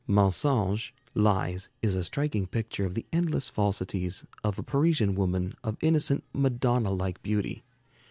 'Mensonges' (Lies) is a striking picture of the endless falsities of a Parisian woman of innocent Madonna like beauty.